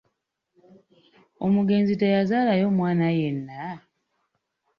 Omugenzi teyazaalayo mwana yenna?